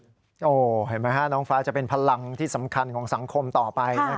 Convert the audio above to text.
เห็นไหมฮะน้องฟ้าจะเป็นพลังที่สำคัญของสังคมต่อไป